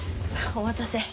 お待たせ。